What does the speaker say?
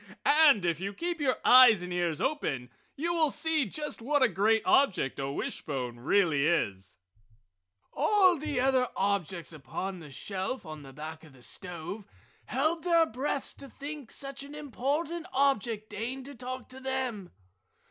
And if you keep your eyes and ears open you will see just what a great object a wishbone really is!" All the other objects upon the shelf on the back of the stove held their breaths to think such an important object deigned to talk to them.